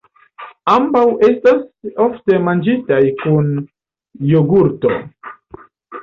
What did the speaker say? Ambaŭ estas ofte manĝitaj kun jogurto.